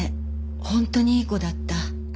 本当にいい子だった。